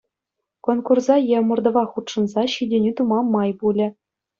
Конкурса е ӑмӑртӑва хутшӑнса ҫитӗнӳ тума май пулӗ.